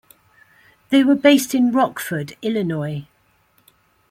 They were based in Rockford, Illinois.